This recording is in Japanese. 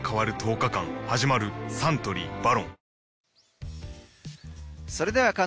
サントリー「ＶＡＲＯＮ」